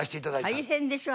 大変でしょ？